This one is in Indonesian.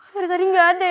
dari tadi gak ada ya